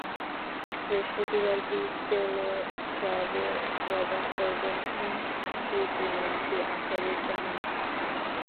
বৃহস্পতিবার বিকেলে উৎসবের উদ্বোধন করবেন সংস্কৃতিমন্ত্রী আসাদুজ্জামান নূর।